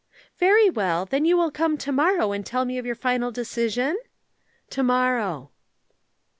"Very well. Then you will come to morrow and tell me your final decision?" "To morrow."